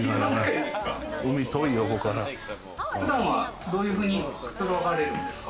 普段はどういうふうに、くつろがれるんですか？